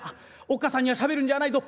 おっ母さんにはしゃべるんじゃないぞ。